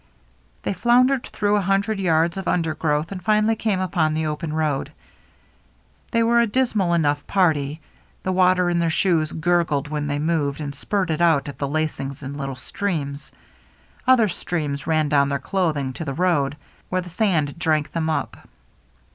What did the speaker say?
They floundered through a hundred yards of undergrowth and finally came upon the open road. They were a dismal enough party. The water in their shoes gurgled when they moved and spurted out at the lacings in little streams. Other streams ran down their cloth ing to the road, where the sand drank them up.